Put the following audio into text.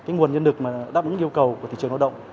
nguồn nhân lực đáp ứng yêu cầu của thị trường nội động